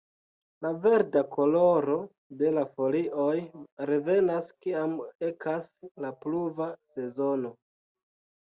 La verda koloro de la folioj revenas kiam ekas la pluva sezono.